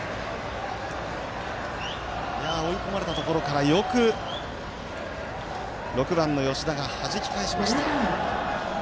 追い込まれたところからよく６番の吉田がはじき返しました。